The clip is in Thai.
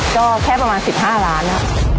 ก็แค่ประมาณ๑๕ล้าน